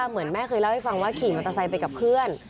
เหมือนแม่เคยเล่าให้ฟังว่าขี่มอเตอร์ไซค์ไปกับเพื่อน